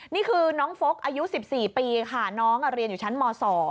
นี่คือน้องฟกอายุ๑๔ปีค่ะน้องเรียนอยู่ชั้นม๒